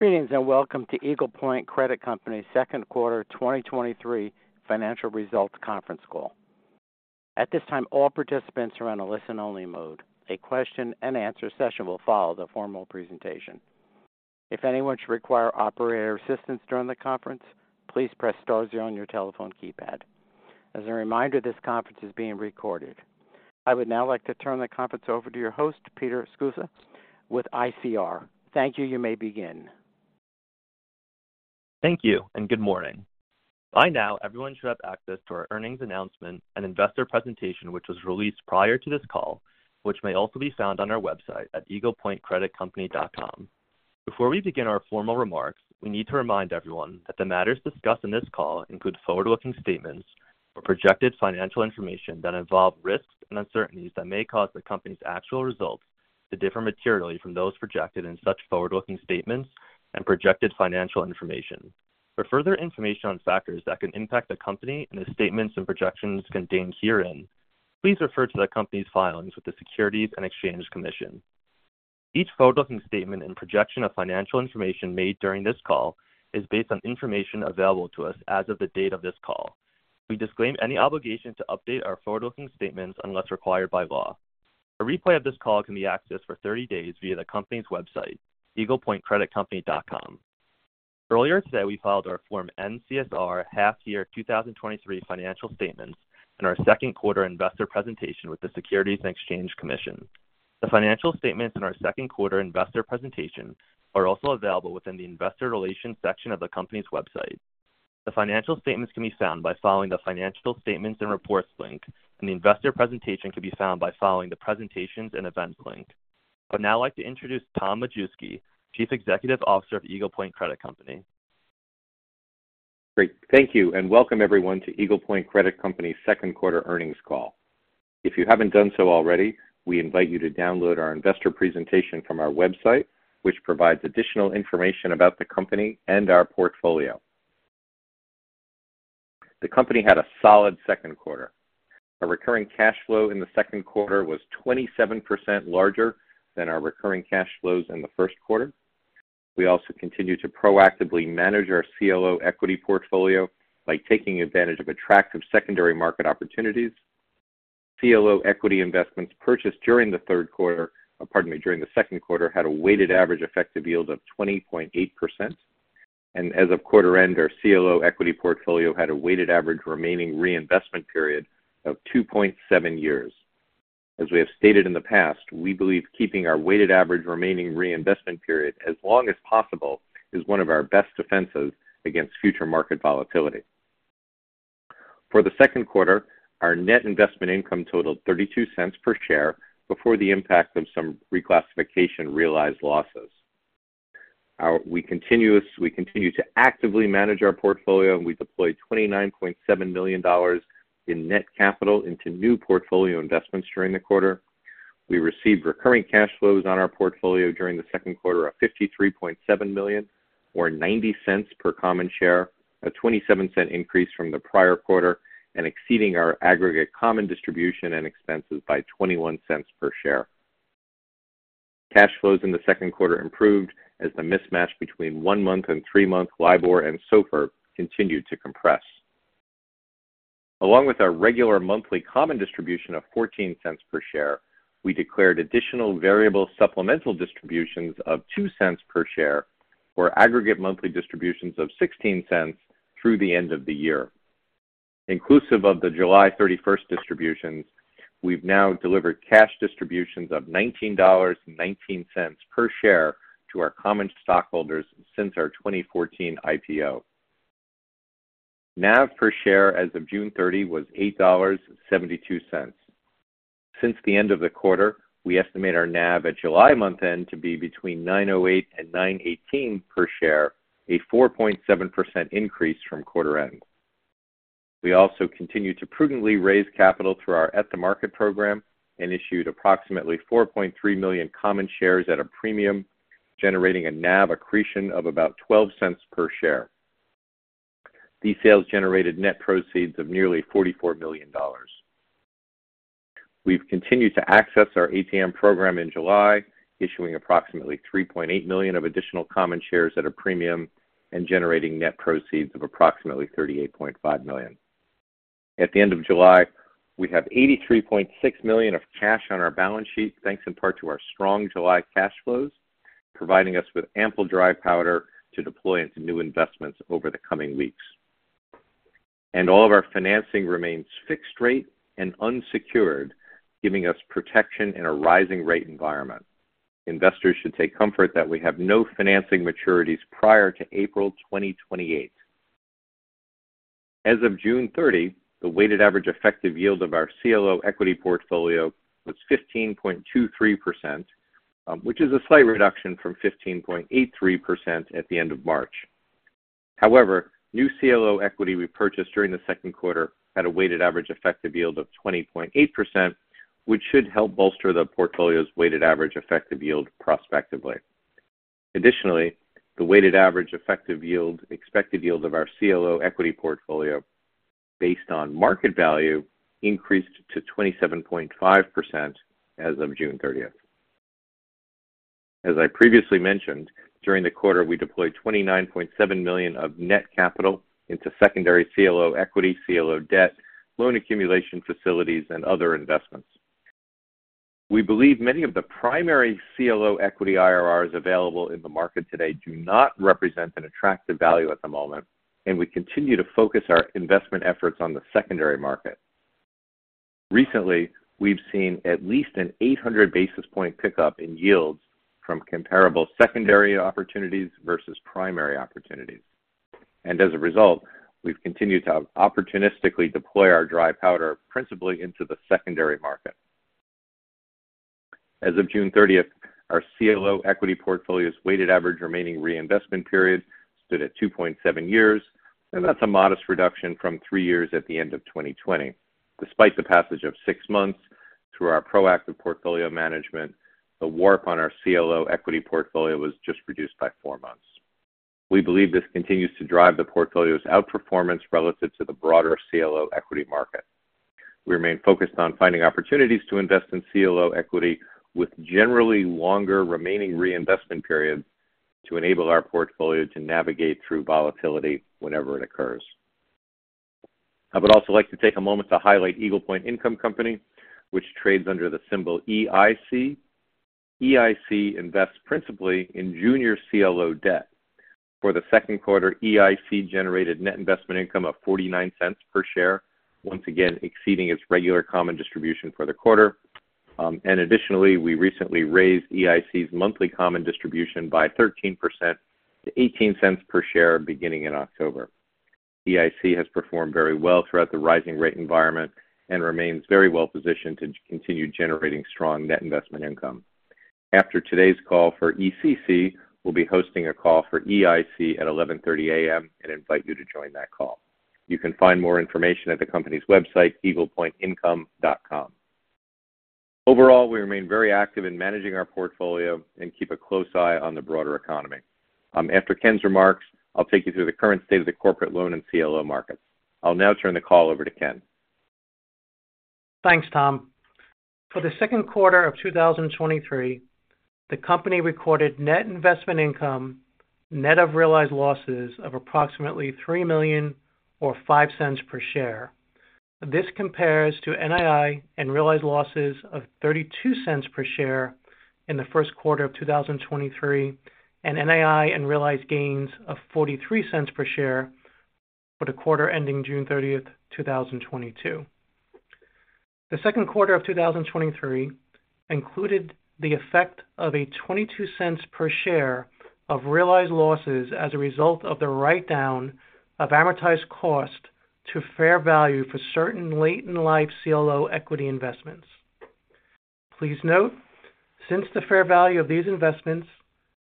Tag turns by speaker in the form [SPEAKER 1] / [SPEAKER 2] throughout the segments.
[SPEAKER 1] Greetings, welcome to Eagle Point Credit Company's second quarter 2023 financial results conference call. At this time, all participants are on a listen-only mode. A question-and-answer session will follow the formal presentation. If anyone should require operator assistance during the conference, please press star zero on your telephone keypad. As a reminder, this conference is being recorded. I would now like to turn the conference over to your host, Peter Sceusa with ICR. Thank you. You may begin.
[SPEAKER 2] Thank you. Good morning. By now, everyone should have access to our earnings announcement and investor presentation, which was released prior to this call, which may also be found on our website at eaglepointcreditcompany.com. Before we begin our formal remarks, we need to remind everyone that the matters discussed in this call include forward-looking statements or projected financial information that involve risks and uncertainties that may cause the company's actual results to differ materially from those projected in such forward-looking statements and projected financial information. For further information on factors that could impact the company and the statements and projections contained herein, please refer to the company's filings with the Securities and Exchange Commission. Each forward-looking statement and projection of financial information made during this call is based on information available to us as of the date of this call. We disclaim any obligation to update our forward-looking statements unless required by law. A replay of this call can be accessed for 30 days via the company's website, eaglepointcreditcompany.com. Earlier today, we filed our Form N-CSR half Year 2023 financial statements and our second quarter investor presentation with the Securities and Exchange Commission. The financial statements in our second quarter investor presentation are also available within the Investor Relations section of the company's website. The financial statements can be found by following the Financial Statements and Reports link, and the investor presentation can be found by following the Presentations and Events link. I would now like to introduce Tom Majewski, Chief Executive Officer of Eagle Point Credit Company.
[SPEAKER 3] Great. Thank you, welcome everyone, to Eagle Point Credit Company's second quarter earnings call. If you haven't done so already, we invite you to download our investor presentation from our website, which provides additional information about the company and our portfolio. The company had a solid second quarter. Our recurring cash flow in the second quarter was 27% larger than our recurring cash flows in the first quarter. We also continued to proactively manage our CLO equity portfolio by taking advantage of attractive secondary market opportunities. CLO equity investments purchased during the third quarter-- pardon me, during the second quarter, had a weighted average effective yield of 20.8%, and as of quarter end, our CLO equity portfolio had a weighted average remaining reinvestment period of 2.7 years. As we have stated in the past, we believe keeping our weighted average remaining reinvestment period as long as possible is one of our best defenses against future market volatility. For the second quarter, our net investment income totaled $0.32 per share before the impact of some reclassification realized losses. We continue to actively manage our portfolio, and we deployed $29.7 million in net capital into new portfolio investments during the quarter. We received recurring cash flows on our portfolio during the second quarter of $53.7 million, or $0.90 per common share, a $0.27 increase from the prior quarter and exceeding our aggregate common distribution and expenses by $0.21 per share. Cash flows in the second quarter improved as the mismatch between one-month and three-month LIBOR and SOFR continued to compress. Along with our regular monthly common distribution of $0.14 per share, we declared additional variable supplemental distributions of $0.02 per share, or aggregate monthly distributions of $0.16 through the end of the year. Inclusive of the July 31st distributions, we've now delivered cash distributions of $19.19 per share to our common stockholders since our 2014 IPO. NAV per share as of June 30 was $8.72. Since the end of the quarter, we estimate our NAV at July month-end to be between $9.08 and $9.18 per share, a 4.7% increase from quarter end. We also continued to prudently raise capital through our at-the-market program and issued approximately 4.3 million common shares at a premium, generating a NAV accretion of about $0.12 per share. These sales generated net proceeds of nearly $44 million. We've continued to access our ATM program in July, issuing approximately 3.8 million of additional common shares at a premium and generating net proceeds of approximately $38.5 million. At the end of July, we have $83.6 million of cash on our balance sheet, thanks in part to our strong July cash flows, providing us with ample dry powder to deploy into new investments over the coming weeks. All of our financing remains fixed rate and unsecured, giving us protection in a rising rate environment. Investors should take comfort that we have no financing maturities prior to April 2028. As of June 30, the weighted average effective yield of our CLO equity portfolio was 15.23%, which is a slight reduction from 15.83% at the end of March. However, new CLO equity we purchased during the second quarter had a weighted average effective yield of 20.8%, which should help bolster the portfolio's weighted average effective yield prospectively. Additionally, the weighted average effective yield, expected yield of our CLO equity portfolio, based on market value, increased to 27.5% as of June 30th. As I previously mentioned, during the quarter, we deployed $29.7 million of net capital into secondary CLO equity, CLO debt, loan accumulation facilities, and other investments. We believe many of the primary CLO equity IRRs available in the market today do not represent an attractive value at the moment. We continue to focus our investment efforts on the secondary market. Recently, we've seen at least an 800 basis point pickup in yields from comparable secondary opportunities versus primary opportunities. As a result, we've continued to opportunistically deploy our dry powder principally into the secondary market. As of June 30, our CLO equity portfolio's weighted average remaining reinvestment period stood at 2.7 years, and that's a modest reduction from three years at the end of 2020. Despite the passage of six months through our proactive portfolio management, the WARP on our CLO equity portfolio was just reduced by four months. We believe this continues to drive the portfolio's outperformance relative to the broader CLO equity market. We remain focused on finding opportunities to invest in CLO equity, with generally longer remaining reinvestment periods, to enable our portfolio to navigate through volatility whenever it occurs. I would also like to take a moment to highlight Eagle Point Income Company, which trades under the symbol EIC. EIC invests principally in junior CLO debt. For the second quarter, EIC generated net investment income of $0.49 per share, once again exceeding its regular common distribution for the quarter. Additionally, we recently raised EIC's monthly common distribution by 13% to $0.18 per share beginning in October. EIC has performed very well throughout the rising rate environment and remains very well-positioned to continue generating strong net investment income. After today's call for ECC, we'll be hosting a call for EIC at 11:30 A.M. and invite you to join that call. You can find more information at the company's website, eaglepointincome.com. Overall, we remain very active in managing our portfolio and keep a close eye on the broader economy. After Ken's remarks, I'll take you through the current state of the corporate loan and CLO markets. I'll now turn the call over to Ken.
[SPEAKER 4] Thanks, Tom. For the second quarter of 2023, the company recorded net investment income, net of realized losses, of approximately $3 million or $0.05 per share. This compares to NII and realized losses of $0.32 per share in the first quarter of 2023, and NII and realized gains of $0.43 per share for the quarter ending June 30th, 2022. The second quarter of 2023 included the effect of a $0.22 per share of realized losses as a result of the write-down of amortized cost to fair value for certain late-in-life CLO equity investments. Please note, since the fair value of these investments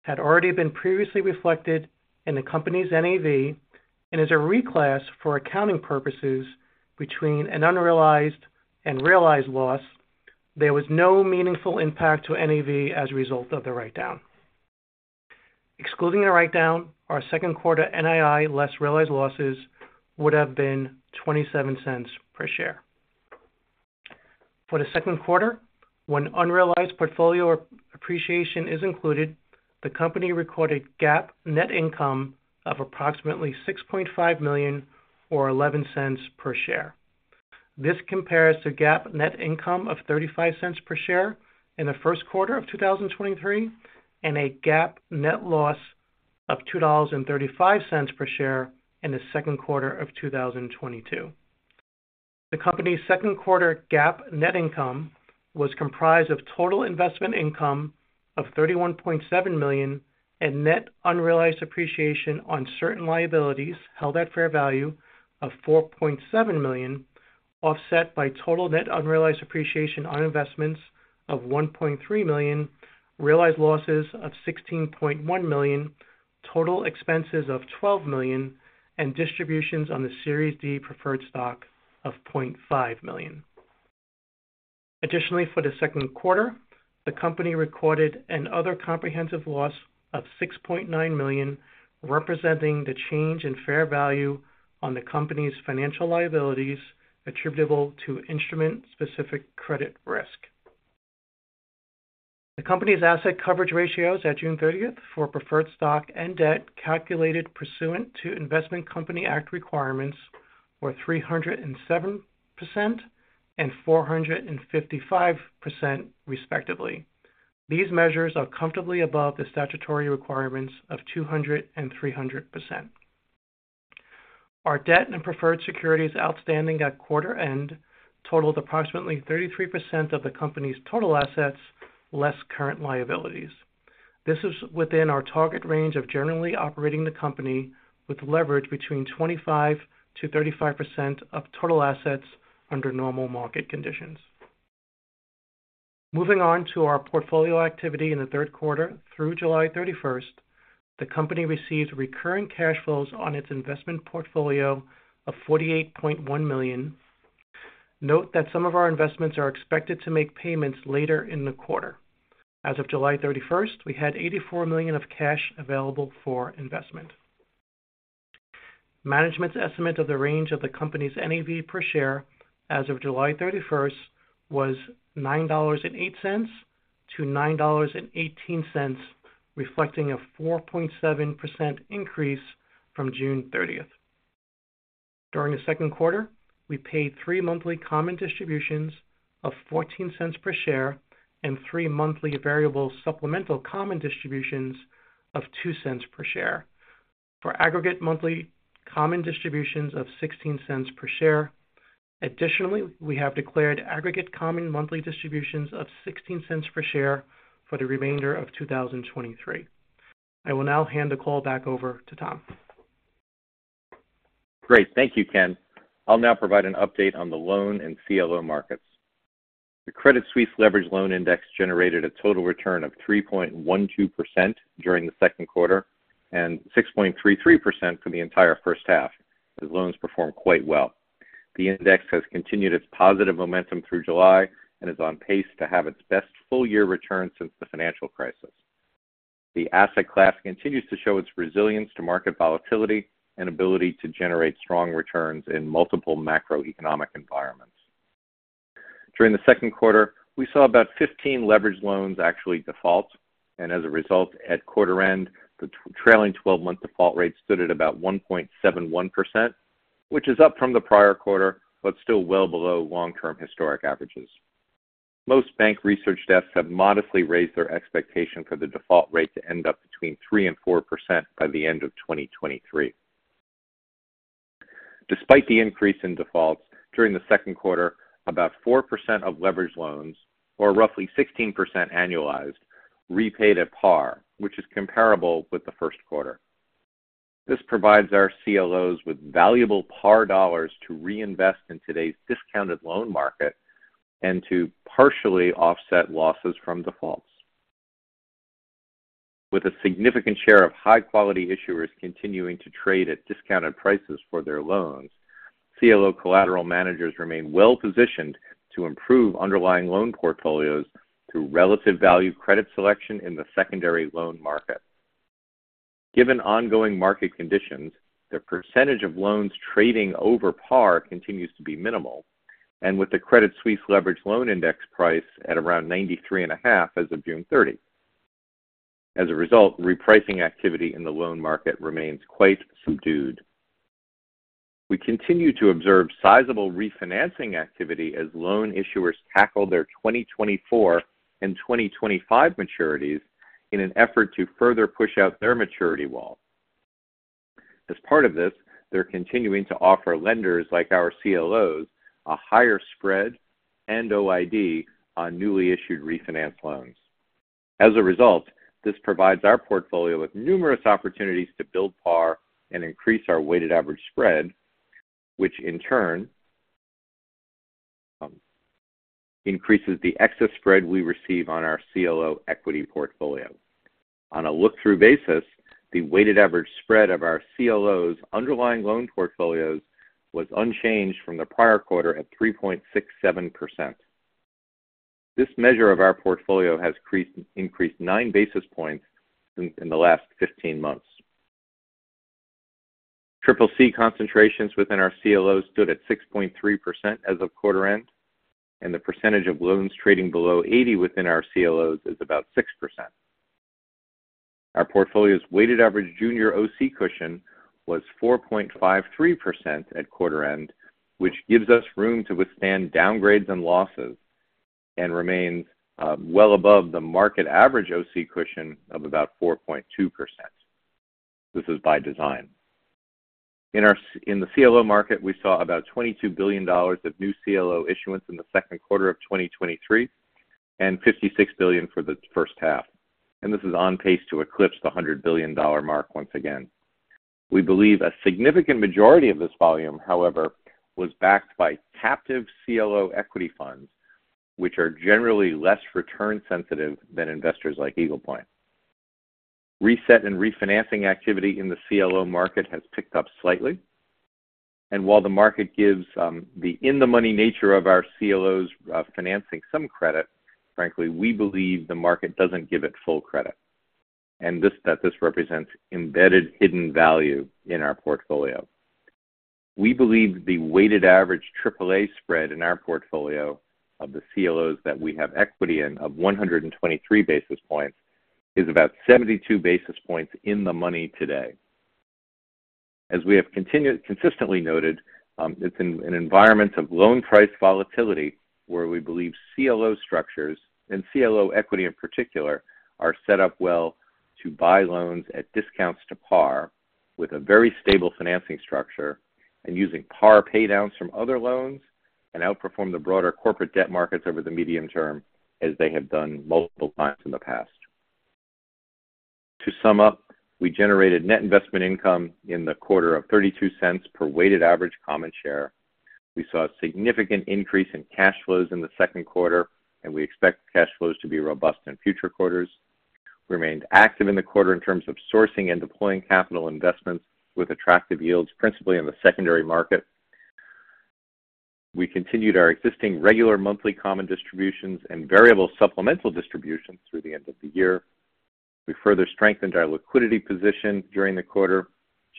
[SPEAKER 4] had already been previously reflected in the company's NAV and is a reclass for accounting purposes between an unrealized and realized loss, there was no meaningful impact to NAV as a result of the write-down. Excluding the write-down, our second quarter NII, less realized losses, would have been $0.27 per share. For the second quarter, when unrealized portfolio appreciation is included, the company recorded GAAP net income of approximately $6.5 million or $0.11 per share. This compares to GAAP net income of $0.35 per share in the first quarter of 2023, and a GAAP net loss of $2.35 per share in the second quarter of 2022. The company's second quarter GAAP net income was comprised of total investment income of $31.7 million and net unrealized appreciation on certain liabilities held at fair value of $4.7 million, offset by total net unrealized appreciation on investments of $1.3 million, realized losses of $16.1 million, total expenses of $12 million, and distributions on the Series D Preferred Stock of $0.5 million. Additionally, for the second quarter, the company recorded an other comprehensive loss of $6.9 million, representing the change in fair value on the company's financial liabilities attributable to instrument-specific credit risk. The company's asset coverage ratios at June 30th for preferred stock and debt, calculated pursuant to Investment Company Act requirements, were 307% and 455%, respectively. These measures are comfortably above the statutory requirements of 200% and 300%. Our debt and preferred securities outstanding at quarter-end totaled approximately 33% of the company's total assets, less current liabilities. This is within our target range of generally operating the company with leverage between 25%-35% of total assets under normal market conditions. Moving on to our portfolio activity in the third quarter. Through July 31st, the company received recurring cash flows on its investment portfolio of $48.1 million.... Note that some of our investments are expected to make payments later in the quarter. As of July 31st, we had $84 million of cash available for investment. Management's estimate of the range of the company's NAV per share as of July 31st was $9.08 to $9.18, reflecting a 4.7% increase from June 30th. During the second quarter, we paid 3 monthly common distributions of $0.14 per share and three monthly variable supplemental common distributions of $0.02 per share, for aggregate monthly common distributions of $0.16 per share. Additionally, we have declared aggregate common monthly distributions of $0.16 per share for the remainder of 2023. I will now hand the call back over to Tom.
[SPEAKER 3] Great. Thank you, Ken. I'll now provide an update on the loan and CLO markets. The Credit Suisse Leveraged Loan Index generated a total return of 3.12% during the second quarter, and 6.33% for the entire first half, as loans performed quite well. The index has continued its positive momentum through July and is on pace to have its best full-year return since the financial crisis. The asset class continues to show its resilience to market volatility and ability to generate strong returns in multiple macroeconomic environments. During the second quarter, we saw about 15 leveraged loans actually default, and as a result, at quarter end, the trailing twelve-month default rate stood at about 1.71%, which is up from the prior quarter, but still well below long-term historic averages. Most bank research desks have modestly raised their expectation for the default rate to end up between 3%-4% by the end of 2023. Despite the increase in defaults during the second quarter, about 4% of leveraged loans, or roughly 16% annualized, repaid at par, which is comparable with the first quarter. This provides our CLOs with valuable par dollars to reinvest in today's discounted loan market and to partially offset losses from defaults. With a significant share of high-quality issuers continuing to trade at discounted prices for their loans, CLO collateral managers remain well-positioned to improve underlying loan portfolios through relative value credit selection in the secondary loan market. Given ongoing market conditions, the percentage of loans trading over par continues to be minimal, and with the Credit Suisse Leveraged Loan Index price at around 93.5 as of June 30. As a result, repricing activity in the loan market remains quite subdued. We continue to observe sizable refinancing activity as loan issuers tackle their 2024 and 2025 maturities in an effort to further push out their maturity wall. As part of this, they're continuing to offer lenders like our CLOs, a higher spread and OID on newly issued refinance loans. As a result, this provides our portfolio with numerous opportunities to build par and increase our weighted average spread, which in turn, increases the excess spread we receive on our CLO equity portfolio. On a look-through basis, the weighted average spread of our CLOs' underlying loan portfolios was unchanged from the prior quarter at 3.67%. This measure of our portfolio has increased 9 basis points in the last 15 months. CCC concentrations within our CLOs stood at 6.3% as of quarter end, and the percentage of loans trading below 80 within our CLOs is about 6%. Our portfolio's weighted average junior OC cushion was 4.53% at quarter end, which gives us room to withstand downgrades and losses, and remains well above the market average OC cushion of about 4.2%. This is by design. In the CLO market, we saw about $22 billion of new CLO issuance in the 2nd quarter of 2023, and $56 billion for the 1st half, and this is on pace to eclipse the $100 billion mark once again. We believe a significant majority of this volume, however, was backed by captive CLO equity funds, which are generally less return sensitive than investors like Eagle Point. Reset and refinancing activity in the CLO market has picked up slightly, and while the market gives the in-the-money nature of our CLOs financing some credit, frankly, we believe the market doesn't give it full credit, and this represents embedded hidden value in our portfolio. We believe the weighted average Triple A spread in our portfolio of the CLOs that we have equity in, of 123 basis points, is about 72 basis points in the money today. As we have consistently noted, it's in an environment of loan price volatility, where we believe CLO structures, and CLO equity in particular, are set up well to buy loans at discounts to par with a very stable financing structure, and using par paydowns from other loans, and outperform the broader corporate debt markets over the medium term, as they have done multiple times in the past. To sum up, we generated net investment income in the quarter of $0.32 per weighted average common share. We saw a significant increase in cash flows in the second quarter, and we expect cash flows to be robust in future quarters. remained active in the quarter in terms of sourcing and deploying capital investments with attractive yields, principally in the secondary market. We continued our existing regular monthly common distributions and variable supplemental distributions through the end of the year. We further strengthened our liquidity position during the quarter,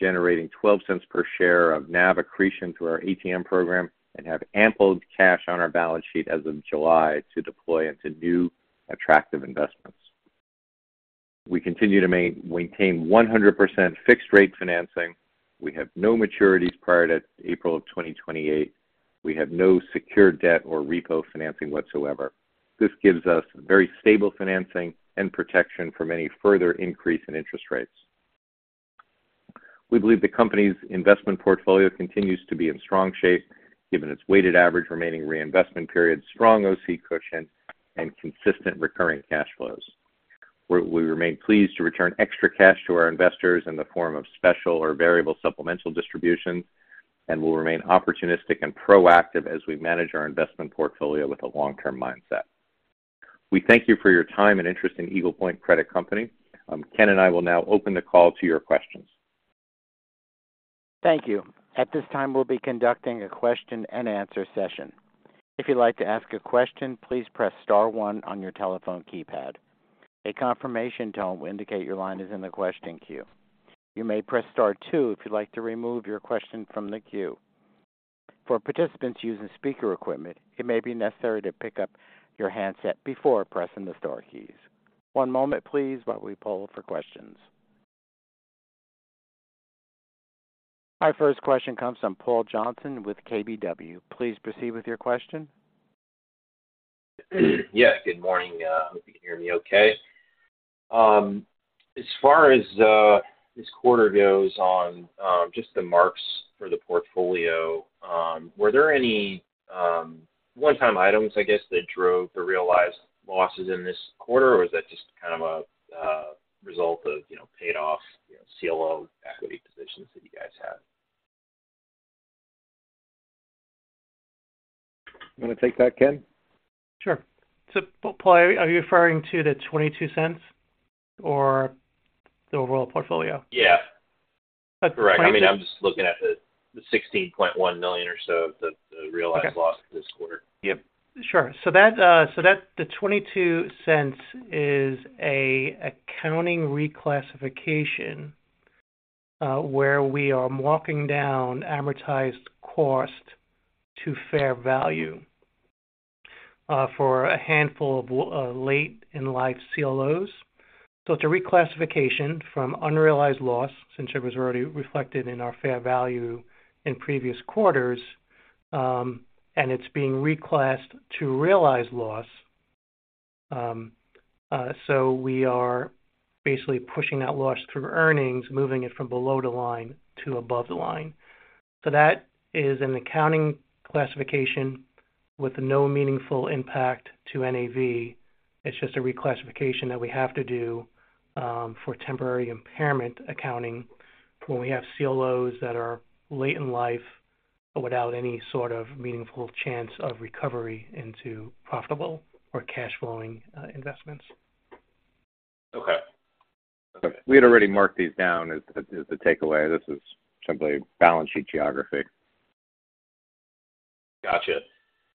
[SPEAKER 3] generating $0.12 per share of NAV accretion through our ATM program, have ample cash on our balance sheet as of July to deploy into new attractive investments. We continue to maintain 100% fixed-rate financing. We have no maturities prior to April of 2028. We have no secured debt or repo financing whatsoever. This gives us very stable financing and protection from any further increase in interest rates. We believe the company's investment portfolio continues to be in strong shape, given its weighted average remaining reinvestment period, strong OC cushion, and consistent recurring cash flows. We remain pleased to return extra cash to our investors in the form of special or variable supplemental distributions, We'll remain opportunistic and proactive as we manage our investment portfolio with a long-term mindset. We thank you for your time and interest in Eagle Point Credit Company. Ken and I will now open the call to your questions.
[SPEAKER 1] Thank you. At this time, we'll be conducting a question and answer session. If you'd like to ask a question, please press star one on your telephone keypad. A confirmation tone will indicate your line is in the question queue. You may press star two if you'd like to remove your question from the queue. For participants using speaker equipment, it may be necessary to pick up your handset before pressing the star keys. One moment please, while we poll for questions. Our first question comes from Paul Johnson with KBW. Please proceed with your question.
[SPEAKER 5] Yes, good morning. Hope you can hear me okay. As far as this quarter goes on, just the marks for the portfolio, were there any one-time items, I guess, that drove the realized losses in this quarter? Is that just kind of a, a result of, you know, paid off, you know, CLO equity positions that you guys have?
[SPEAKER 3] You want to take that, Ken?
[SPEAKER 4] Sure. Paul, are you referring to the $0.22 or the overall portfolio?
[SPEAKER 5] Yeah.
[SPEAKER 4] Correct.
[SPEAKER 5] I mean, I'm just looking at the $16.1 million or so.
[SPEAKER 4] Okay.
[SPEAKER 5] Realized loss this quarter.
[SPEAKER 3] Yep.
[SPEAKER 4] Sure. That, so that the $0.22 is a accounting reclassification, where we are marking down amortized cost to fair value, for a handful of late-in-life CLOs. It's a reclassification from unrealized loss, since it was already reflected in our fair value in previous quarters, and it's being reclassed to realized loss. We are basically pushing that loss through earnings, moving it from below the line to above the line. That is an accounting classification with no meaningful impact to NAV. It's just a reclassification that we have to do, for temporary impairment accounting when we have CLOs that are late in life without any sort of meaningful chance of recovery into profitable or cash-flowing investments.
[SPEAKER 5] Okay.
[SPEAKER 3] We had already marked these down as, as the takeaway. This is simply balance sheet geography.
[SPEAKER 5] Gotcha.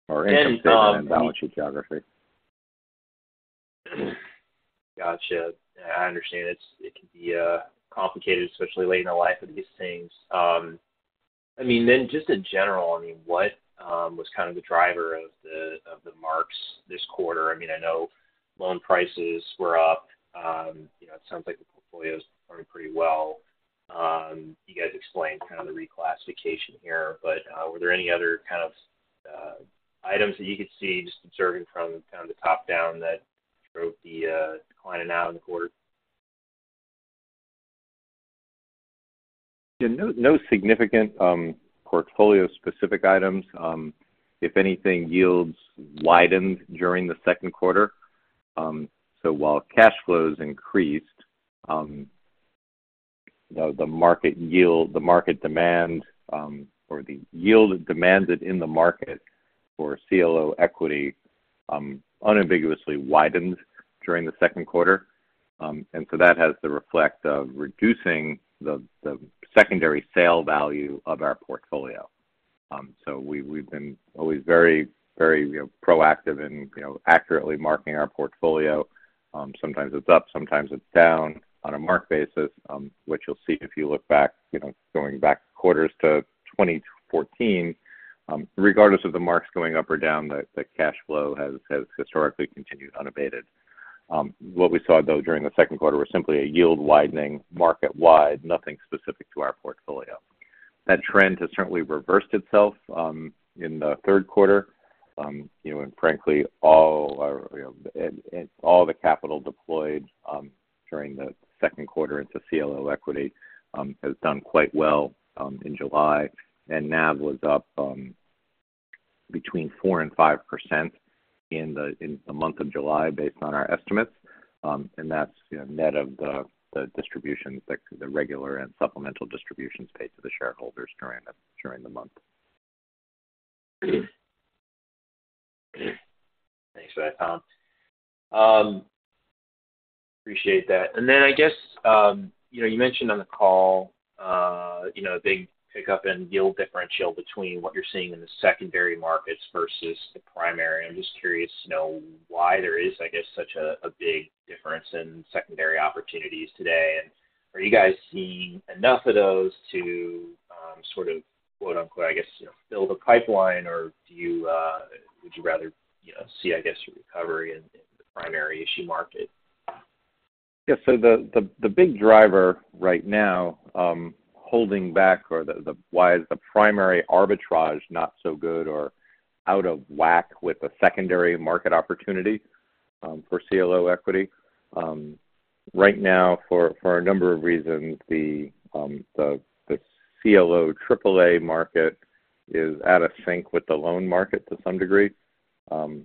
[SPEAKER 3] Income statement and balance sheet geography.
[SPEAKER 5] Gotcha. I understand it can be complicated, especially late in the life of these things. I mean, then just in general, I mean, what was kind of the driver of the marks this quarter? I mean, I know loan prices were up. You know, it sounds like the portfolio is performing pretty well. You guys explained kind of the reclassification here, were there any other kind of items that you could see just observing from kind of the top down, that drove the decline in NAV in the quarter?
[SPEAKER 3] No, no significant, portfolio-specific items. If anything, yields widened during the second quarter. While cash flows increased, you know, the market yield, the market demand, or the yield demanded in the market for CLO equity, unambiguously widened during the second quarter. That has the reflect of reducing the, the secondary sale value of our portfolio. We, we've been always very, very, very proactive in, you know, accurately marking our portfolio. Sometimes it's up, sometimes it's down on a mark basis, which you'll see if you look back, you know, going back quarters to 2014. Regardless of the marks going up or down, the, the cash flow has, has historically continued unabated. What we saw, though, during the second quarter was simply a yield widening market-wide, nothing specific to our portfolio. That trend has certainly reversed itself, in the third quarter. You know, and frankly, all, you know, and, and all the capital deployed, during the second quarter into CLO equity, has done quite well, in July. NAV was up, between 4% and 5% in the, in the month of July, based on our estimates. That's, you know, net of the, the distributions, the, the regular and supplemental distributions paid to the shareholders during the, during the month.
[SPEAKER 5] Thanks for that, Tom. Appreciate that. I guess, you know, you mentioned on the call, you know, a big pickup in yield differential between what you're seeing in the secondary markets versus the primary. I'm just curious to know why there is, I guess, such a, a big difference in secondary opportunities today. Are you guys seeing enough of those to, sort of, quote, unquote, I guess, you know, build a pipeline? Do you, would you rather, you know, see, I guess, a recovery in, in the primary issue market?
[SPEAKER 3] Yeah. The, the, the big driver right now, holding back or the, the why is the primary arbitrage not so good or out of whack with the secondary market opportunity, for CLO equity. Right now, for, for a number of reasons, the, the, the CLO Triple A market is out of sync with the loan market to some degree. You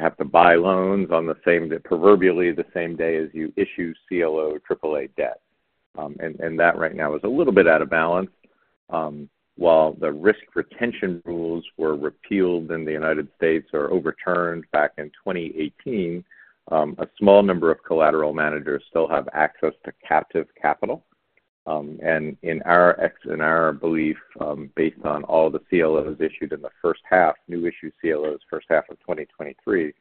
[SPEAKER 3] have to buy loans on the same day, proverbially, the same day as you issue CLO Triple A debt. That right now is a little bit out of balance. While the risk retention rules were repealed in the United States, or overturned back in 2018, a small number of collateral managers still have access to captive capital. In our belief, based on all the CLOs issued in the first half, new issue CLOs, first half of 2023,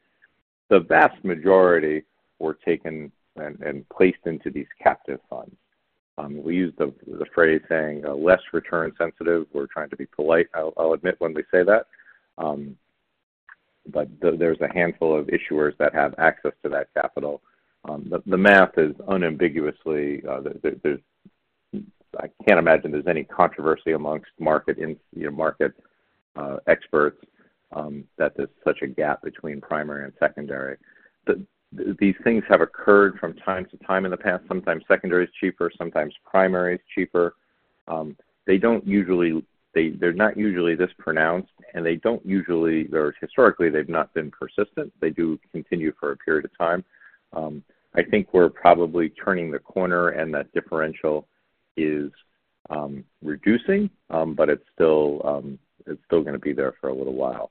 [SPEAKER 3] the vast majority were taken and placed into these captive funds. We use the phrase saying, less return sensitive. We're trying to be polite, I'll admit, when we say that. There's a handful of issuers that have access to that capital. The math is unambiguously, I can't imagine there's any controversy amongst market in, you know, market experts, that there's such a gap between primary and secondary. These things have occurred from time to time in the past. Sometimes secondary is cheaper, sometimes primary is cheaper. They don't usually. They're not usually this pronounced, and they don't usually, or historically, they've not been persistent. They do continue for a period of time. I think we're probably turning the corner, and that differential is reducing, but it's still going to be there for a little while.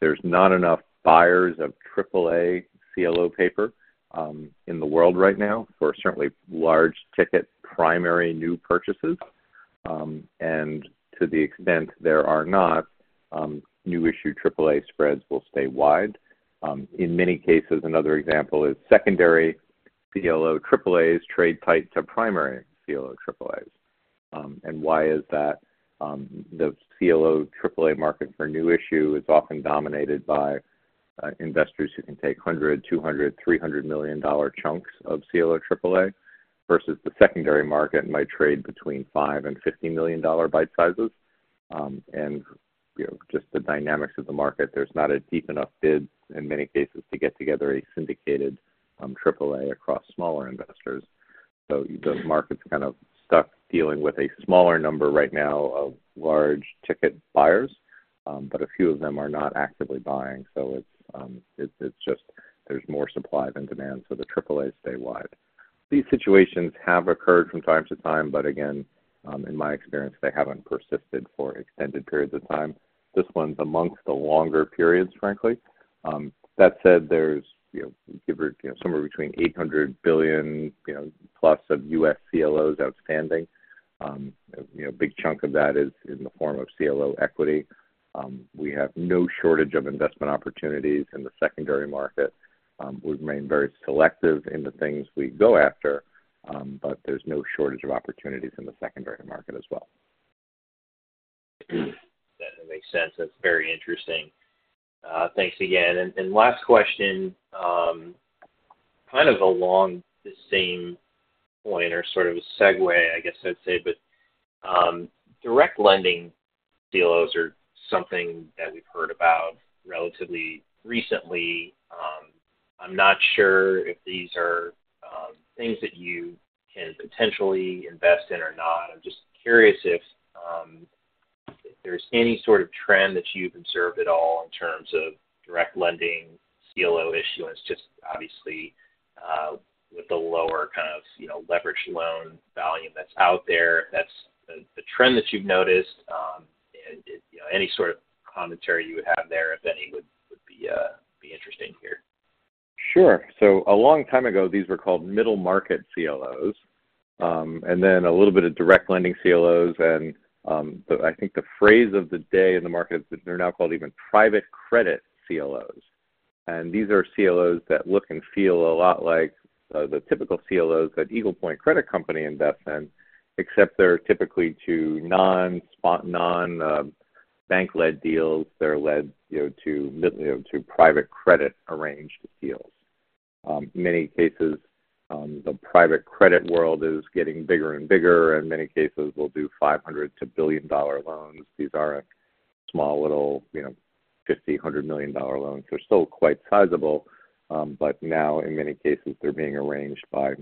[SPEAKER 3] There's not enough buyers of Triple A CLO paper in the world right now for certainly large-ticket, primary, new purchases. To the extent there are not, new issue, Triple A spreads will stay wide. In many cases, another example is secondary CLO Triple A's trade tight to primary CLO Triple A's. Why is that? The CLO Triple A market for new issue is often dominated by investors who can take 100, 200, 300 million dollar chunks of CLO Triple A, versus the secondary market, might trade between 5 and 50 million dollar bite sizes. You know, just the dynamics of the market, there's not a deep enough bid in many cases to get together a syndicated, Triple A across smaller investors. The market's kind of stuck dealing with a smaller number right now of large-ticket buyers, but a few of them are not actively buying. It's, it's just there's more supply than demand, so the Triple A stay wide. These situations have occurred from time to time, but again, in my experience, they haven't persisted for extended periods of time. This one's amongst the longer periods, frankly. That said, there's, you know, give or, you know, somewhere between $800 billion, you know, plus of U.S. CLOs outstanding. You know, a big chunk of that is in the form of CLO equity. We have no shortage of investment opportunities in the secondary market. We've remained very selective in the things we go after, but there's no shortage of opportunities in the secondary market as well.
[SPEAKER 5] That makes sense. That's very interesting. Thanks again. Last question, kind of along the same point or sort of a segue, I guess I'd say, but direct lending CLOs are something that we've heard about relatively recently. I'm not sure if these are things that you can potentially invest in or not. I'm just curious if there's any sort of trend that you've observed at all in terms of direct lending CLO issuance, just obviously, with the lower kind of, you know, leverage loan volume that's out there, if that's the trend that you've noticed and, you know, any sort of commentary you would have there, if any, would, would be interesting to hear.
[SPEAKER 3] Sure. A long time ago, these were called middle market CLOs, and then a little bit of direct lending CLOs, and, I think the phrase of the day in the market, they're now called even private credit CLOs. These are CLOs that look and feel a lot like the typical CLOs that Eagle Point Credit Company invests in, except they're typically to non-spot, non-bank-led deals. They're led, you know, to private credit arranged deals. Many cases, the private credit world is getting bigger and bigger, and many cases will do $500 million-$1 billion loans. These are a small, little, you know, $50 million-$100 million loans. They're still quite sizable, but now, in many cases, they're being arranged by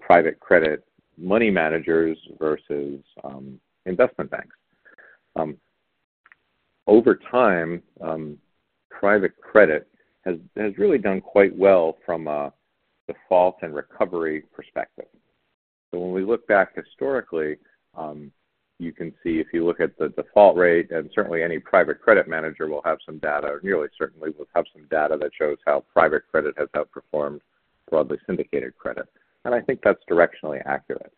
[SPEAKER 3] private credit money managers versus investment banks. Over time, private credit has, has really done quite well from a default and recovery perspective. When we look back historically, you can see if you look at the default rate, and certainly any private credit manager will have some data, or nearly certainly will have some data that shows how private credit has outperformed broadly syndicated credit. I think that's directionally accurate.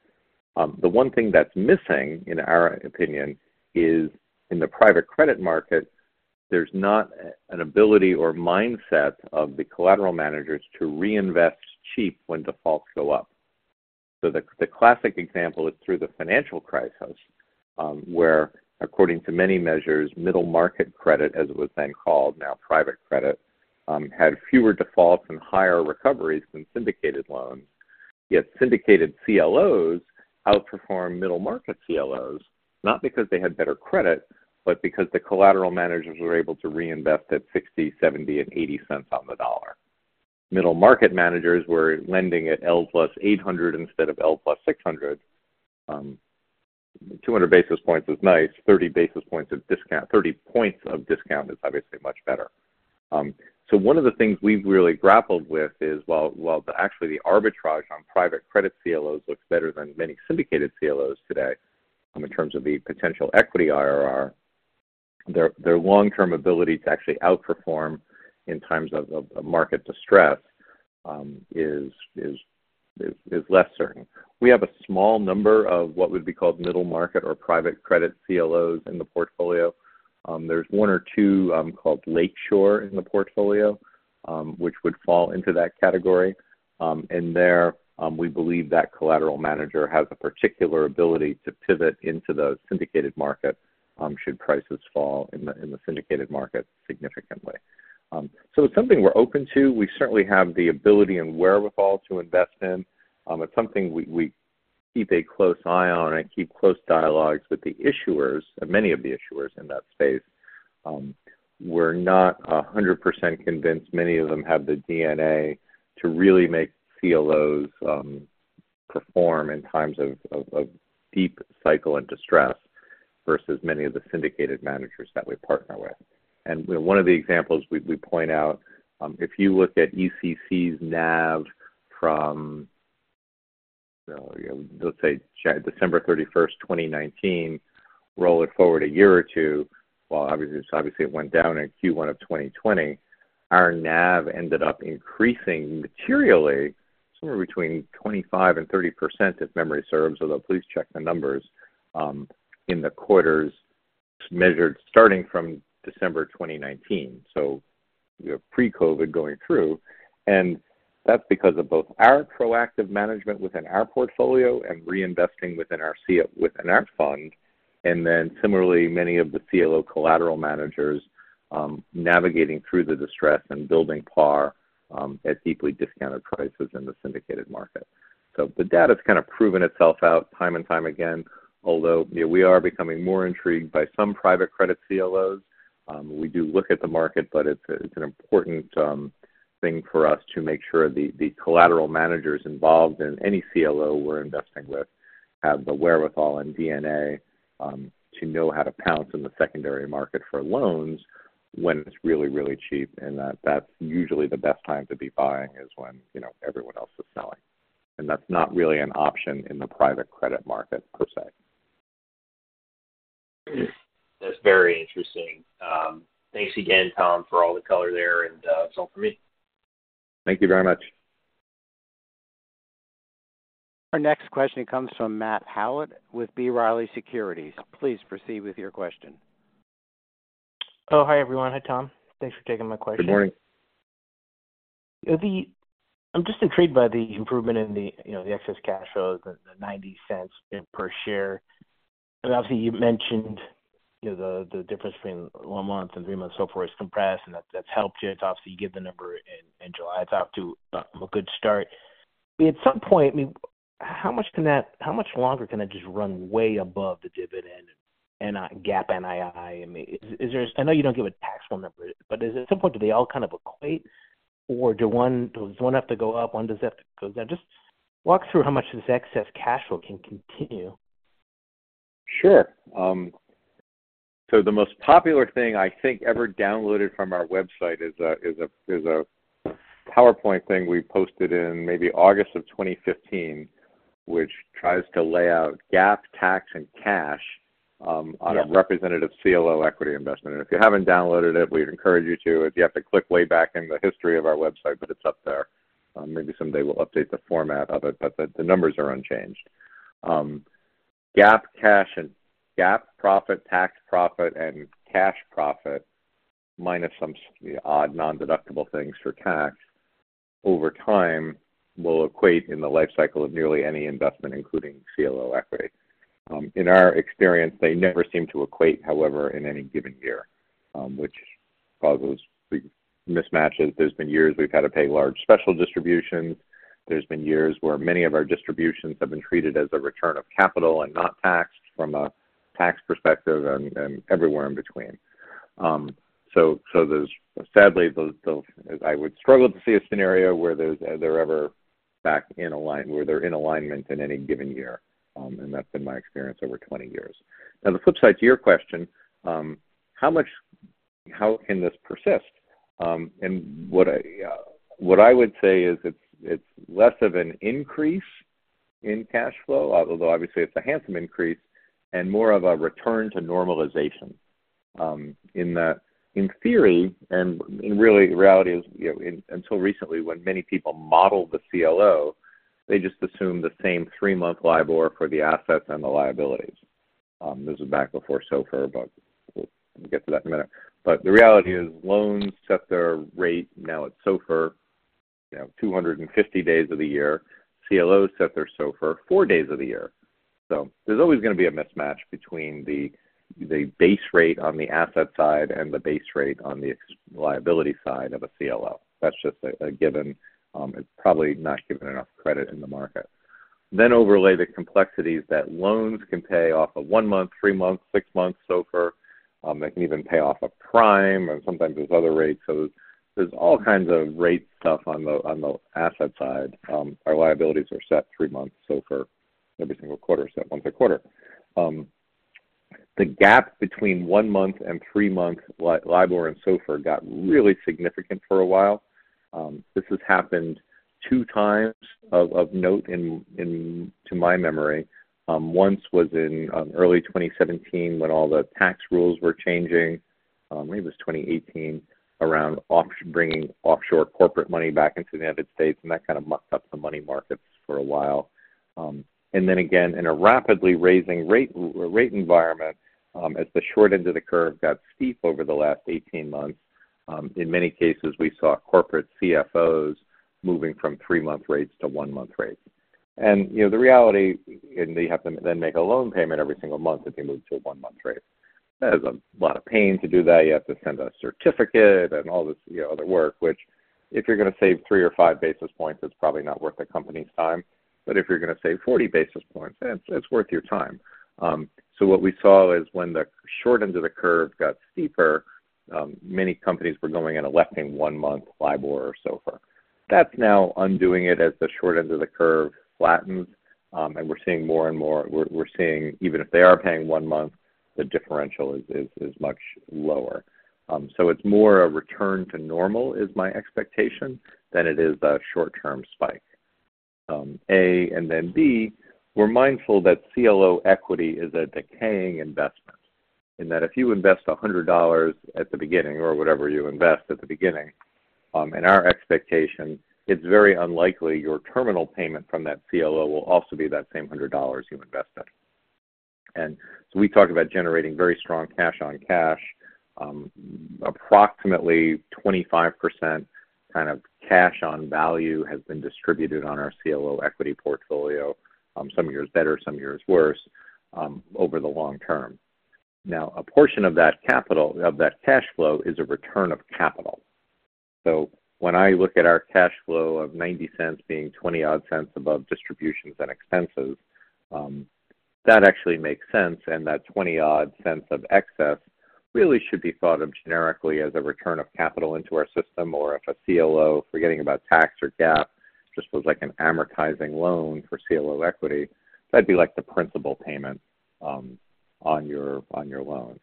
[SPEAKER 3] The one thing that's missing, in our opinion, is in the private credit market, there's not a, an ability or mindset of the collateral managers to reinvest cheap when defaults go up. The classic example is through the financial crisis, where according to many measures, middle market credit, as it was then called, now private credit, had fewer defaults and higher recoveries than syndicated loans. Syndicated CLOs outperformed middle market CLOs, not because they had better credit, but because the collateral managers were able to reinvest at $0.60, $0.70, and $0.80 on the dollar. Middle market managers were lending at L plus 800 instead of L plus 600. 200 basis points is nice, 30 basis points of discount, 30 points of discount is obviously much better. One of the things we've really grappled with is, while, while actually the arbitrage on private credit CLOs looks better than many syndicated CLOs today, in terms of the potential equity IRR, their, their long-term ability to actually outperform in times of, of market distress, is, is, is, is less certain. We have a small number of what would be called middle market or private credit CLOs in the portfolio. There's one or two, called Lake Shore in the portfolio, which would fall into that category. There, we believe that collateral manager has a particular ability to pivot into the syndicated market, should prices fall in the, in the syndicated market significantly. It's something we're open to. We certainly have the ability and wherewithal to invest in. It's something we, we keep a close eye on and keep close dialogues with the issuers, many of the issuers in that space. We're not 100% convinced many of them have the DNA to really make CLOs, perform in times of, of, of deep cycle and distress versus many of the syndicated managers that we partner with. One of the examples we, we point out, if you look at ECC's NAV from, let's say, December 31st, 2019, roll it forward a year or two, while obviously, obviously it went down in Q1 of 2020, our NAV ended up increasing materially somewhere between 25% and 30%, if memory serves, although please check the numbers, in the quarters measured starting from December 2019, so, you know, pre-COVID going through. That's because of both our proactive management within our portfolio and reinvesting within our C-- within our fund, and then similarly, many of the CLO collateral managers, navigating through the distress and building par, at deeply discounted prices in the syndicated market. The data's kind of proven itself out time and time again, although we are becoming more intrigued by some private credit CLOs. We do look at the market, but it's, it's an important thing for us to make sure the, the collateral managers involved in any CLO we're investing with have the wherewithal and DNA to know how to pounce in the secondary market for loans when it's really, really cheap, and that, that's usually the best time to be buying is when, you know, everyone else is selling. That's not really an option in the private credit market per se.
[SPEAKER 5] That's very interesting. Thanks again, Tom, for all the color there, and, that's all for me.
[SPEAKER 3] Thank you very much.
[SPEAKER 1] Our next question comes from Matt Howlett with B. Riley Securities. Please proceed with your question.
[SPEAKER 6] Oh, hi, everyone. Hi, Tom. Thanks for taking my question.
[SPEAKER 3] Good morning.
[SPEAKER 6] I'm just intrigued by the improvement in the, you know, the excess cash flows, the, the $0.90 per share. Obviously, you've mentioned, you know, the, the difference between one month and three months SOFR is compressed, and that, that's helped you. It's obviously, you give the number in, in July. It's off to a, a good start. At some point, I mean, how much can how much longer can I just run way above the dividend and not GAAP NII? I mean, is there I know you don't give a taxable number, but is at some point, do they all kind of equate, or does one have to go up, one does it have to go down? Just walk through how much this excess cash flow can continue.
[SPEAKER 3] Sure. The most popular thing I think, ever downloaded from our website is a PowerPoint thing we posted in maybe August of 2015, which tries to lay out GAAP, tax, and cash.
[SPEAKER 6] Yeah
[SPEAKER 3] on a representative CLO equity investment. If you haven't downloaded it, we'd encourage you to. If you have to click way back in the history of our website, but it's up there. Maybe someday we'll update the format of it, but the, the numbers are unchanged. GAAP, GAAP profit, tax profit, and cash profit, minus some odd nondeductible things for tax, over time, will equate in the life cycle of nearly any investment, including CLO equity. In our experience, they never seem to equate, however, in any given year, which causes mismatches. There's been years we've had to pay large special distributions. There's been years where many of our distributions have been treated as a return of capital and not taxed from a tax perspective and, and everywhere in between. So, so there's. Sadly, I would struggle to see a scenario where they're ever back in alignment, where they're in alignment in any given year. That's been my experience over 20 years. The flip side to your question, how can this persist? What I would say is it's less of an increase in cash flow, although obviously it's a handsome increase, and more of a return to normalization. In that, in theory, in really, the reality is, you know, until recently, when many people modeled the CLO, they just assumed the same three-month LIBOR for the assets and the liabilities. This was back before SOFR, we'll get to that in a minute. The reality is, loans set their rate now at SOFR, you know, 250 days of the year. CLOs set their SOFR four days of the year. There's always going to be a mismatch between the, the base rate on the asset side and the base rate on the ex- liability side of a CLO. That's just a, a given. It's probably not given enough credit in the market. Overlay the complexities that loans can pay off a one-month, three-month, six-month SOFR. They can even pay off a prime, and sometimes there's other rates. There's, there's all kinds of rate stuff on the, on the asset side. Our liabilities are set three months SOFR. Every single quarter is set month to quarter. The gap between one month and three-month LIBOR and SOFR got really significant for a while. This has happened two times of, of note in, in to my memory. Once was in early 2017, when all the tax rules were changing. Maybe it was 2018, around bringing offshore corporate money back into the United States. That kind of mucked up the money markets for a while. Then again, in a rapidly raising rate environment, as the short end of the curve got steep over the last 18 months, in many cases, we saw corporate CFOs moving from three-month rates to one-month rates. You know, the reality, they have to then make a loan payment every single month if they move to a one-month rate. That is a lot of pain to do that. You have to send a certificate and all this, you know, other work, which if you're going to save 3 or 5 basis points, it's probably not worth the company's time. If you're going to save 40 basis points, then it's worth your time. What we saw is when the short end of the curve got steeper, many companies were going and electing one-month LIBOR or SOFR. That's now undoing it as the short end of the curve flattens. We're seeing more and more... We're seeing even if they are paying one month, the differential is, is, is much lower. It's more a return to normal, is my expectation, than it is a short-term spike. A, and then, B, we're mindful that CLO equity is a decaying investment, and that if you invest $100 at the beginning or whatever you invest at the beginning, and our expectation, it's very unlikely your terminal payment from that CLO will also be that same $100 you invested. We talk about generating very strong cash-on-cash. Approximately 25% kind of cash on value has been distributed on our CLO equity portfolio, some years better, some years worse, over the long term. Now, a portion of that capital-- of that cash flow is a return of capital. When I look at our cash flow of $0.90 being $0.20-odd above distributions and expenses, that actually makes sense. That $0.20-odd of excess really should be thought of generically as a return of capital into our system, or if a CLO, forgetting about tax or GAAP, just was like an amortizing loan for CLO equity. That'd be like the principal payment, on your, on your loan.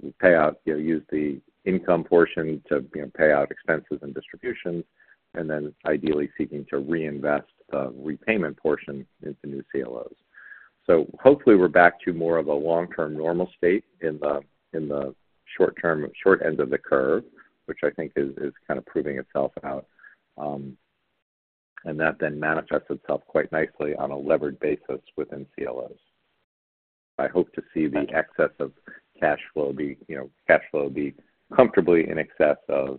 [SPEAKER 3] You pay out, you know, use the income portion to, you know, pay out expenses and distributions, and then ideally seeking to reinvest the repayment portion into new CLOs. Hopefully, we're back to more of a long-term normal state in the, in the short term, short end of the curve, which I think is, is kind of proving itself out. That then manifests itself quite nicely on a levered basis within CLOs. I hope to see the excess of cash flow be, you know, cash flow be comfortably in excess of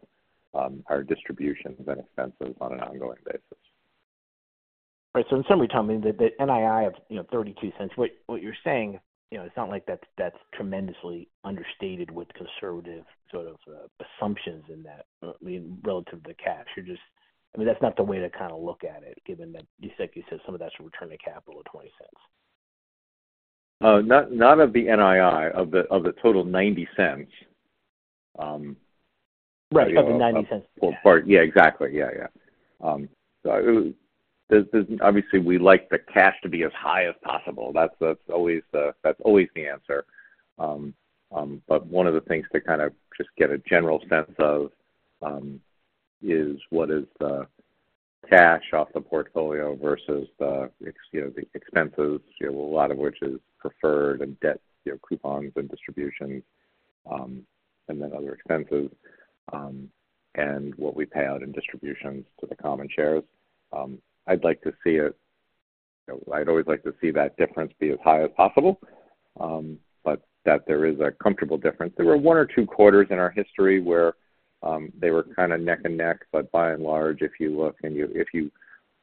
[SPEAKER 3] our distributions and expenses on an ongoing basis.
[SPEAKER 6] Right. In summary, tell me the, the NII of, you know, $0.32. What, what you're saying, you know, it's not like that's, that's tremendously understated with conservative sort of, assumptions in that, I mean, relative to the cash? You're just... I mean, that's not the way to kind of look at it, given that, just like you said, some of that's return on capital of $0.20.
[SPEAKER 3] Not, not of the NII, of the, of the total $0.90.
[SPEAKER 6] Right, of the $0.90.
[SPEAKER 3] Yeah, exactly. Yeah, yeah. Obviously, we like the cash to be as high as possible. That's, that's always the, that's always the answer. One of the things to kind of just get a general sense of, is what is the cash off the portfolio versus the you know, the expenses, you know, a lot of which is preferred and debt, you know, coupons and distributions, and then other expenses, and what we pay out in distributions to the common shares. I'd like to see it... You know, I'd always like to see that difference be as high as possible, but that there is a comfortable difference. There were one or two quarters in our history where, they were kind of neck and neck, but by and large, if you look and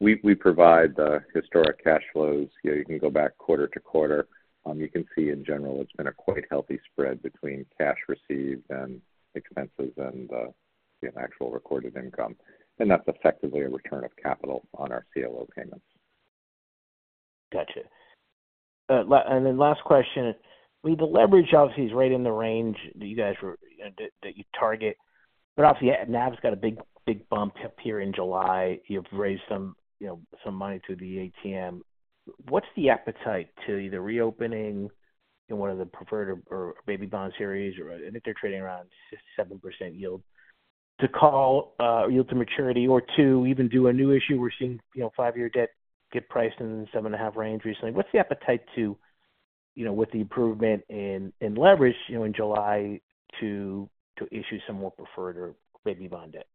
[SPEAKER 3] we, we provide the historic cash flows. You know, you can go back quarter to quarter. You can see, in general, it's been a quite healthy spread between cash received and expenses and the, the actual recorded income, and that's effectively a return of capital on our CLO payments.
[SPEAKER 6] Gotcha. And then last question: With the leverage obviously is right in the range that you guys were that you target. Obviously, NAV's got a big, big bump up here in July. You've raised some, you know, some money through the ATM. What's the appetite to either reopening in one of the preferred or baby bond series, or I think they're trading around 6%-7% yield, to call, yield to maturity or to even do a new issue? We're seeing, you know, five-year debt get priced in the 7.5% range recently. What's the appetite to, you know, with the improvement in leverage, you know, in July, to issue some more preferred or baby bond debt?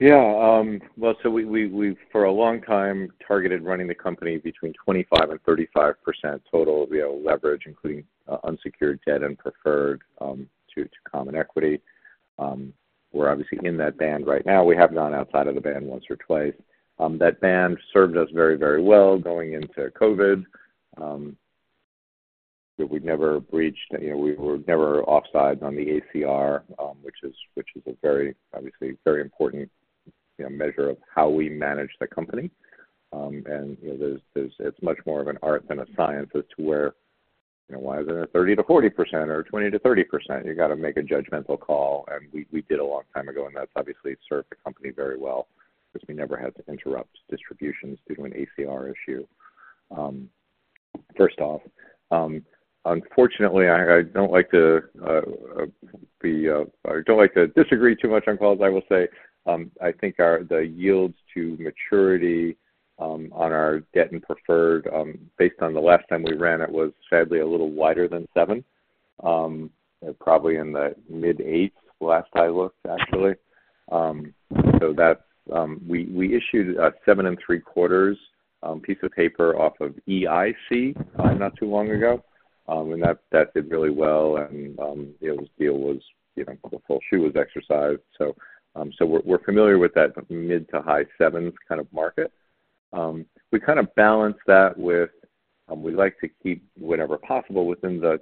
[SPEAKER 3] Yeah. Well, we, we, we've, for a long time, targeted running the company between 25% and 35% total. We have a leverage, including unsecured debt and preferred, to common equity. We're obviously in that band right now. We have gone outside of the band once or twice. That band served us very, very well going into COVID. We've never breached, you know, we were never offside on the ACR, which is, which is a very, obviously very important, you know, measure of how we manage the company. You know, there's, there's, it's much more of an art than a science as to where, you know, why is it at 30%-40% or 20%-30%? You got to make a judgmental call, and we, we did a long time ago, and that's obviously served the company very well because we never had to interrupt distributions due to an ACR issue. First off, unfortunately, I, I don't like to be, I don't like to disagree too much on calls. I will say, I think the yields to maturity, on our debt and preferred, based on the last time we ran it, was sadly, a little wider than seven. Probably in the mid-eights, last I looked, actually. So that, we, we issued a 7.75, piece of paper off of EIC, not too long ago. That, that did really well, and, deal was, you know, the full shoe was exercised. We're, we're familiar with that mid to high 7s kind of market. We kind of balance that with, we like to keep, whenever possible, within the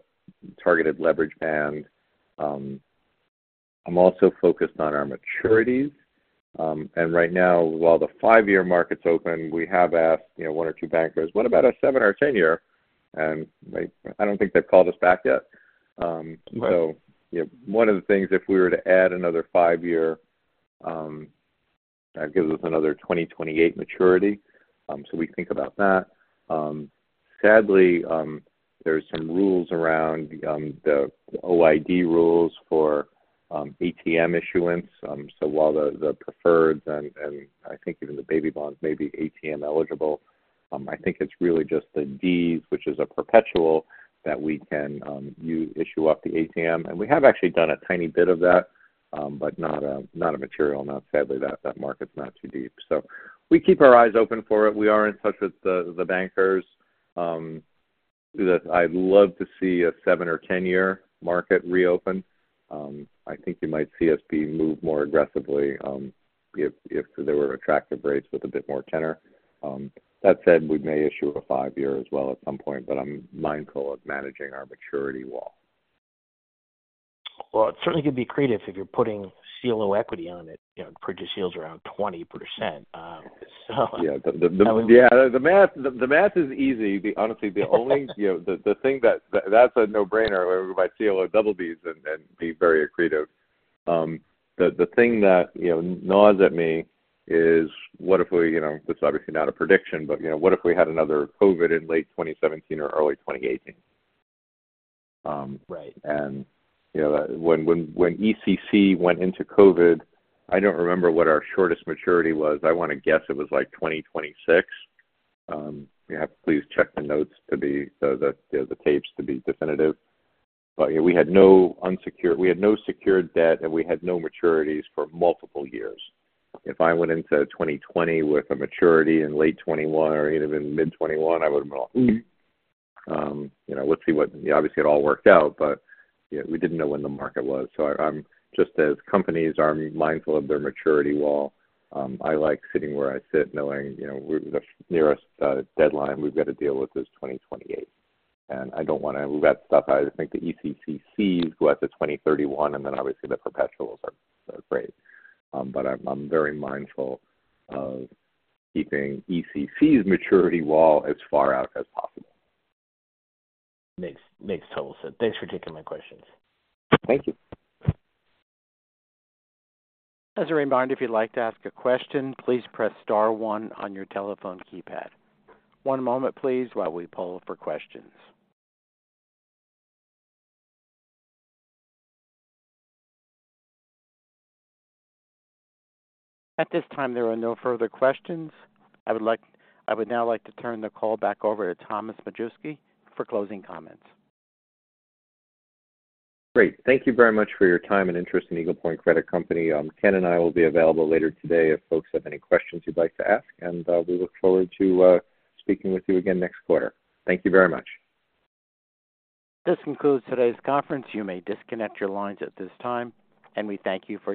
[SPEAKER 3] targeted leverage band. I'm also focused on our maturities. Right now, while the five-year market's open, we have asked, you know, one or two bankers, "What about a seven or a 10-year?" And they... I don't think they've called us back yet. You know, one of the things, if we were to add another 5-year, that gives us another 2028 maturity. Sadly, there's some rules around, the OID rules for, ATM issuance. So while the, the preferred and, and I think even the baby bonds may be ATM eligible, I think it's really just the Ds, which is a perpetual, that we can issue up to ATM. We have actually done a tiny bit of that, but not a, not a material. Not sadly, that, that market's not too deep. We keep our eyes open for it. We are in touch with the, the bankers. That I'd love to see a seven or 10-year market reopen. I think you might see us be moved more aggressively, if, if there were attractive rates with a bit more tenor. That said, we may issue a five-year as well at some point, but I'm mindful of managing our maturity wall.
[SPEAKER 6] Well, it certainly could be accretive if you're putting CLO equity on it, you know, it produces yields around 20%, so.
[SPEAKER 3] Yeah. Yeah, the math, the math is easy. Honestly, you know, the thing that, that's a no-brainer. We buy CLO double Bs and, and be very accretive. The thing that, you know, gnaws at me is, what if we, you know, this is obviously not a prediction, but, you know, what if we had another COVID in late 2017 or early 2018?
[SPEAKER 6] Right.
[SPEAKER 3] You know, when, when, when ECC went into COVID, I don't remember what our shortest maturity was. I want to guess it was, like, 2026. You have to please check the notes to be, the, the, the tapes to be definitive. We had no unsecured-- We had no secured debt, and we had no maturities for multiple years. If I went into 2020 with a maturity in late 2021 or even in mid 2021, I would have been like, "Mm-hmm." You know, let's see what... Obviously, it all worked out, but, you know, we didn't know when the market was. I, I'm, just as companies are mindful of their maturity wall, I like sitting where I sit, knowing, you know, we're the nearest deadline we've got to deal with is 2028. I don't want to move that stuff. I think the ECCCs go out to 2031, then obviously, the perpetuals are great. I'm very mindful of keeping ECC's maturity wall as far out as possible.
[SPEAKER 6] Makes, makes total sense. Thanks for taking my questions.
[SPEAKER 3] Thank you.
[SPEAKER 1] As a reminder, if you'd like to ask a question, please press star one on your telephone keypad. One moment please, while we poll for questions. At this time, there are no further questions. I would now like to turn the call back over to Thomas Majewski for closing comments.
[SPEAKER 3] Great. Thank you very much for your time and interest in Eagle Point Credit Company. Ken and I will be available later today if folks have any questions you'd like to ask, and we look forward to speaking with you again next quarter. Thank you very much.
[SPEAKER 1] This concludes today's conference. You may disconnect your lines at this time, and we thank you for your participation.